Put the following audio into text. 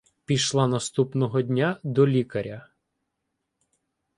Пішла наступного дня до лікаря.